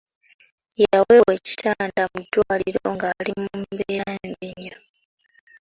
Yaweebwa ekitanda mu ddwaliro ng'ali mu mbeera mbi nnyo.